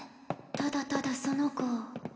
ただただその子を。